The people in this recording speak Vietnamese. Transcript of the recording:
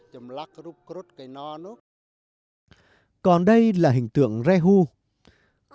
còn đây là hình tượng rehu không có thân mình mà chỉ có mặt hình dữ tợn đang nuốt mặt trăng hoặc mặt trời